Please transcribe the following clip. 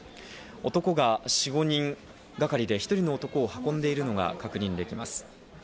男が４５人がかりで１人の男を運んでいるのが確認できます。